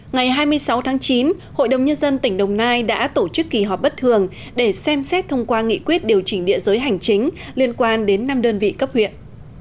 ngày hai mươi sáu tháng chín hội đồng nhân dân tỉnh đồng nai đã tổ chức kỳ họp bất thường để xem xét thông qua nghị quyết điều chỉnh địa giới hành chính liên quan đến năm đơn vị cấp huyện